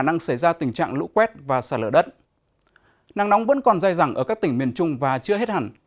nắng nóng vẫn còn dài dẳng ở các tỉnh miền trung và chưa hết hẳn